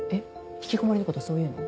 引きこもりのことそう言うの？